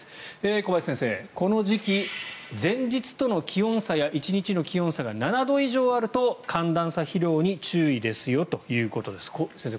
小林先生、この時期前日との気温差や１日の気温差が７度以上あると寒暖差疲労に注意ですよということです。